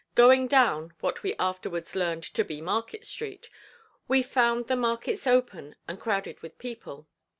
Going down (what we afterwards learned to be Market Street,) we found the markets open and crowded with people.